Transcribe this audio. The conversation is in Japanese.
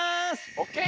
オッケー！